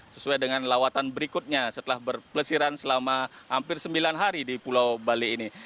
sesuai dengan lawatan berikutnya setelah berpelesiran selama hampir sembilan hari di pulau bali ini